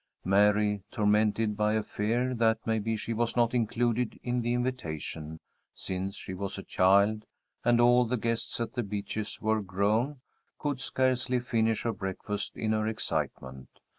Mary, tormented by a fear that maybe she was not included in the invitation, since she was a child, and all the guests at The Beeches were grown, could scarcely finish her breakfast in her excitement.